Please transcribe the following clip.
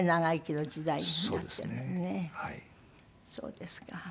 そうですか。